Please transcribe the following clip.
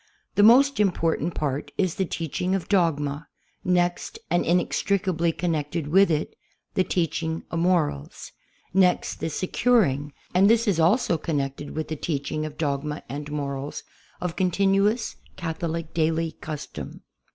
The most important part is the teaching of dogma ; next, and inex tricably connected with it, the teaching of morals; next, the securing (and this is also connected with the teaching of dogma and morals) of continuous Catholic daily custom.